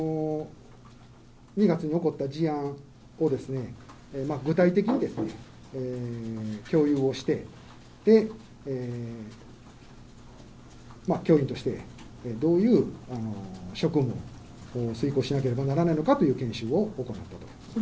２月に起こった事案を具体的に共有をして、教員としてどういう職務を遂行しなければならないのかという研修を行ったということ。